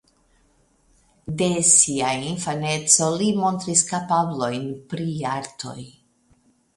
De sia infaneco li montris kapablojn pri artoj.